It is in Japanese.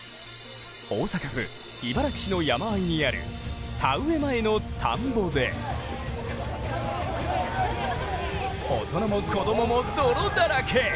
大阪府茨木市の山あいにある田植え前の田んぼで大人も子供も泥だらけ。